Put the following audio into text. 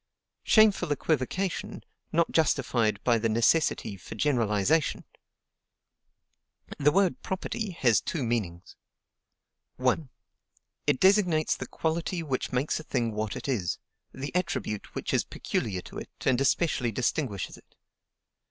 Shameful equivocation, not justified by the necessity for generalization! The word PROPERTY has two meanings: 1. It designates the quality which makes a thing what it is; the attribute which is peculiar to it, and especially distinguishes it.